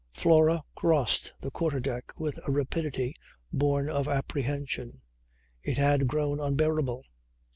Flora crossed the quarter deck with a rapidity born of apprehension. It had grown unbearable.